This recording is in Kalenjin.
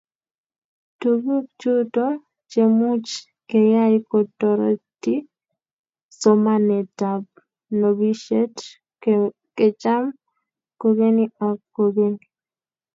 tuguk chuto chemuch keyay kotoreti somanetab nobishet kecham kogeny ak kogeny